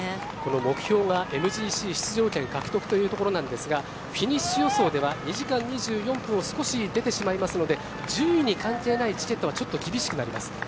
目標はＭＧＣ出場権獲得というところなんですがフィニッシュ予想では２時間２４分を少し出てしまいますので順位に関係ないチケットはちょっと厳しくなります。